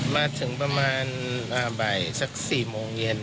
มาถึงประมาณสักสี่โมงเย็น